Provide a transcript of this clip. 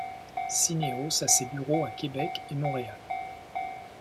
Syneos a ses bureaux à Québec et Montréal.